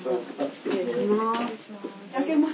失礼します。